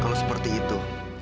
kalau seperti itu